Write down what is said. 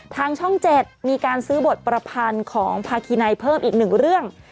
ทางช่องเจ็ดมีการซื้อบทบราพาลของพระกินายเพิ่มอีก๑เรื่อง